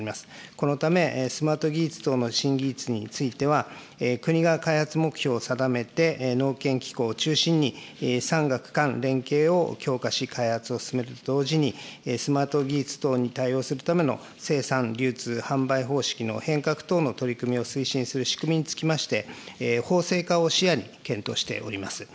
このため、スマート技術等の新技術については、国が開発目標を定めて、農研機構を中心に、産学官連携を強化し、開発を進めると同時に、スマート技術等に対応するための生産、流通、販売方式の変革等の取り組みを推進する仕組みにつきまして、法制化を視野に検討しております。